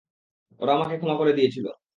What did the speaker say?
ওরা আমাকে ক্ষমা করে দিয়েছিল।